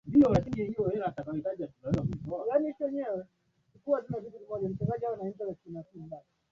Wavulana hujipanga na kuimba Oooooh yah kwa kikohozi pamoja na msukumo wa miili yao